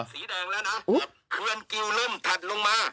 ครือนกิวเริ่มถัดลงมา